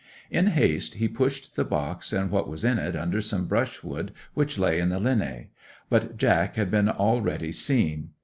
In haste he pushed the box and what was in it under some brushwood which lay in the linhay; but Jack had been already seen.